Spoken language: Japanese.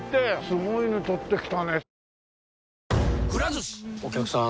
すごいの取ってきたね。